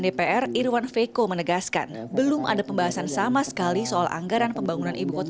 dpr irwan feko menegaskan belum ada pembahasan sama sekali soal anggaran pembangunan ibukota